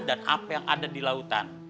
dan apa yang ada di lautan